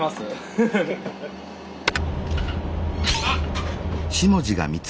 あっ！